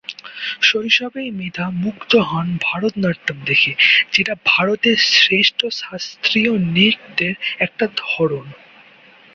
শৈশবেই মেধা মুগ্ধ হন ভরতনাট্যম দেখে, যেটা ভারতের শ্রেষ্ঠ শাস্ত্রীয় নৃত্যের একটা ধরন।